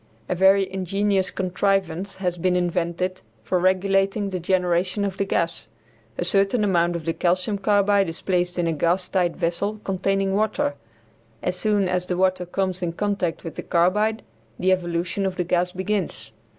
A very ingenious contrivance has been invented for regulating the generation of the gas. A certain amount of the calcium carbide is placed in a gas tight vessel containing water. As soon as the water comes in contact with the carbide the evolution of the gas begins.